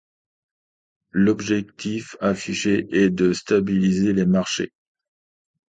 L'objectif affiché est de stabiliser les marchés.